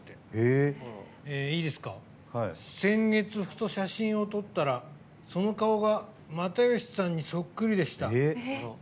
先月、ふと写真を撮ったらその顔が又吉さんにそっくりでした。